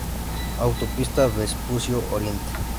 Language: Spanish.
Autopista Vespucio Oriente